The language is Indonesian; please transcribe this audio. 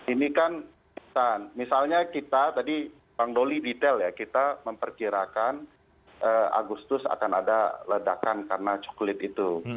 ini kan misalnya kita tadi bang doli detail ya kita memperkirakan agustus akan ada ledakan karena cuklit itu